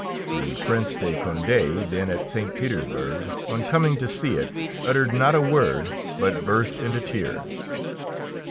The Prince de Condé, then at St. Petersburg, on coming to see it, uttered not a word, but burst into tears.